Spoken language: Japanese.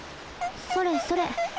それそれ。